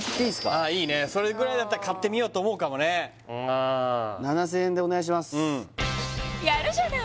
あっいいねそれぐらいだったら買ってみようと思うかもねああ７０００円でお願いしますやるじゃない！